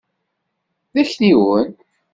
D akniwen.